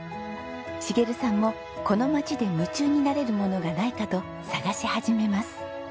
茂さんもこの町で夢中になれるものがないかと探し始めます。